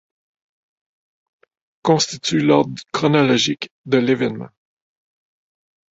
Constitue l’ordre chronologique de l’événement.